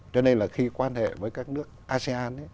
cho nên là khi quan hệ với các nước asean